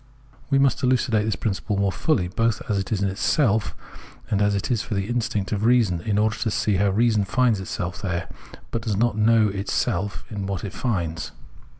We must elucidate this principle more fully, both as it is in itself and as it is for the instinct of reason, in order to see how reason finds itself there, but does not know itself in what it finds.